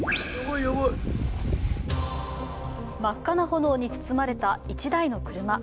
真っ赤な炎に包まれた１台の車。